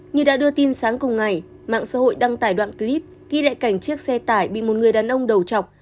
như đã đưa tin sáng cùng ngày mạng xã hội đăng tải đoạn clip ghi lại cảnh chiếc xe tải bị một người đàn ông đầu chọc